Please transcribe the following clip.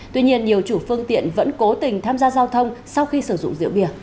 tuy nhiên nhiều chủ phương tiện vẫn cố tình tham gia giao thông sau khi sử dụng rượu bia